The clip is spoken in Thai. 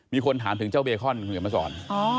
มีคนถามถึงเจ้าเบคอนเหนือเมษร